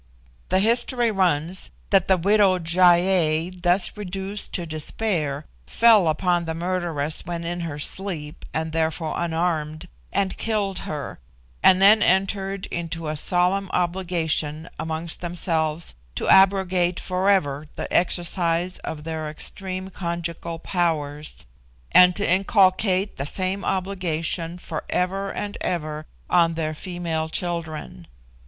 The history runs that the widowed Gy ei, thus reduced to despair, fell upon the murderess when in her sleep (and therefore unarmed), and killed her, and then entered into a solemn obligation amongst themselves to abrogate forever the exercise of their extreme conjugal powers, and to inculcate the same obligation for ever and ever on their female children.